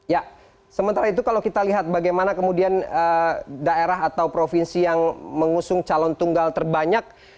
ya sementara itu kalau kita lihat bagaimana kemudian daerah atau provinsi yang mengusung calon tunggal terbanyak